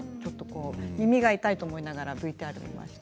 耳が痛いと思いながらＶＴＲを見ていました。